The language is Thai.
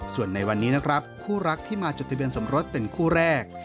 ส่วนในวันนี้นะครับคู่รักที่มาจดทะเบียนสมรสเป็นคู่แรก